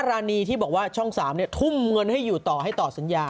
ลารานีงที่บอกว่าช่องสามเนี่ยทุมเงินให้อยู่ต่อให้ต่อสัญญา